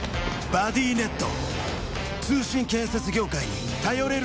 バディネット。